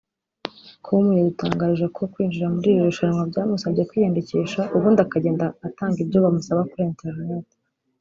com yadutangarije ko kwinjira muri iri rushanwa byamusabye kwiyandikisha ubundi akagenda atanga ibyo bamusaba kuri internet